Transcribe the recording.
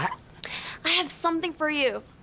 aku punya sesuatu buatmu